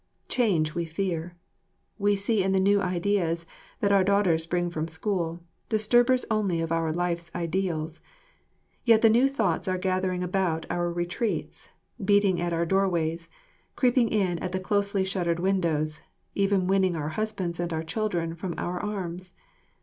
Change we fear. We see in the new ideas that our daughters bring from school, disturbers only of our life's ideals. Yet the new thoughts are gathering about our retreats, beating at our doorways, creeping in at the closely shuttered windows, even winning our husbands and our children from our arms.